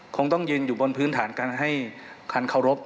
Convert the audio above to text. คงต้องยืนอยู่บนพื้นฐานการให้ความเคารพ